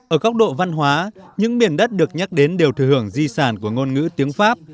ở góc độ văn hóa những miền đất được nhắc đến đều thừa hưởng di sản của ngôn ngữ tiếng pháp